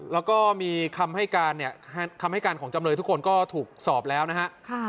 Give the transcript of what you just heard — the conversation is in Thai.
แล้วก็มีคำให้การเนี่ยคำให้การของจำเลยทุกคนก็ถูกสอบแล้วนะฮะ